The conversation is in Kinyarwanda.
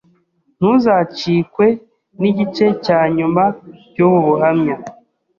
ntuzacikwe n’igice cya nyuma cy’ubu buhamya........